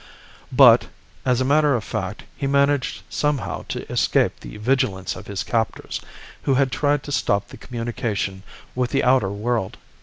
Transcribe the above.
"But, as a matter of fact, he managed somehow to escape the vigilance of his captors, who had tried to stop the communication with the outer world.